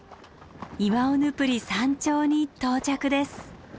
イワオヌプリ山頂に到着です。